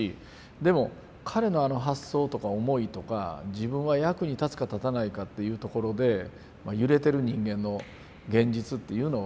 でも彼のあの発想とか思いとか自分は役に立つか立たないかというところで揺れてる人間の現実っていうのは